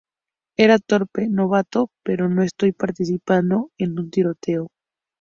Era torpe, novato, pero no estoy participando en un tiroteo.